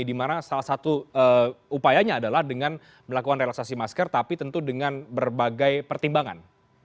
dimana salah satu upayanya adalah dengan melakukan relaksasi masker tapi tentu dengan berbagai pertimbangan